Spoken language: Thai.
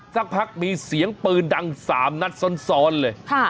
สักพักมีเสียงปืนดัง๓นัดซ้อนเลย